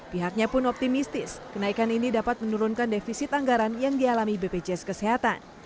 pihaknya pun optimistis kenaikan ini dapat menurunkan defisit anggaran yang dialami bpjs kesehatan